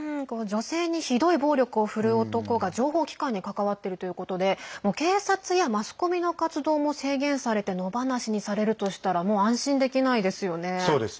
女性にひどい暴力を振るう男が情報機関に関わっているということで警察やマスコミの活動も制限されて野放しにされるとしたらもう安心できないですよね。